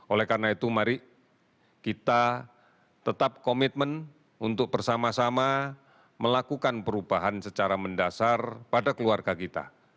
oleh karena itu mari kita tetap komitmen untuk bersama sama melakukan perubahan secara mendasar pada keluarga kita